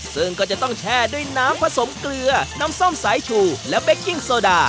ซึ่งก็จะต้องแช่ด้วยน้ำผสมเกลือน้ำส้มสายชูและเป๊กกิ้งโซดา